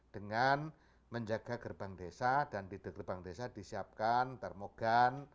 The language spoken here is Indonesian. dengan menjaga gerbang desa dan di gerbang desa disiapkan termogan